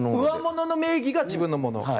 上物の名義が自分のもの？